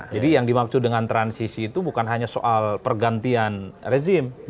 jadi yang dimaksud dengan transisi itu bukan hanya soal pergantian rezim